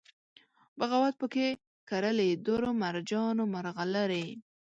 بغاوت پکښې کرلي دُر، مرجان و مرغلرې